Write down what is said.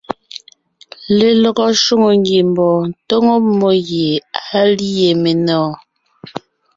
Lelɔgɔ shwòŋo ngiembɔɔn tóŋo mmó gie á lîe menɔ̀ɔn.